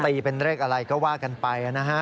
เป็นเลขอะไรก็ว่ากันไปนะฮะ